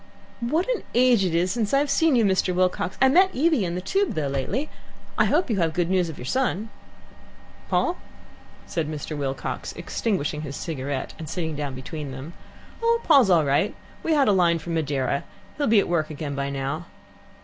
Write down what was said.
"What an age it is since I've seen you, Mr. Wilcox. I met Evie in the Tube, though, lately. I hope you have good news of your son." "Paul?" said Mr. Wilcox, extinguishing his cigarette, and sitting down between them. "Oh, Paul's all right. We had a line from Madeira. He'll be at work again by now."